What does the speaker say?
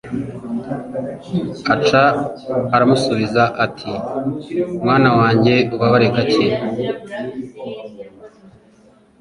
Aca aramusubiza ati Mwana wanjye ubabare akanya